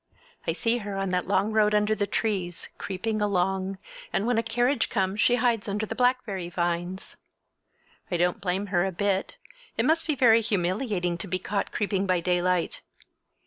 I see her on that long road under the trees, creeping along, and when a carriage comes she hides under the blackberry vines. I don't blame her a bit. It must be very humiliating to be caught creeping by daylight!